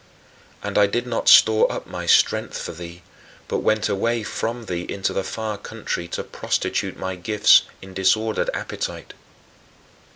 And I did not store up my strength for thee, but went away from thee into the far country to prostitute my gifts in disordered appetite.